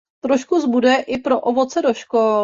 Trošku zbude i pro ovoce do škol.